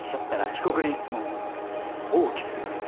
被告人質問も放棄すればいい。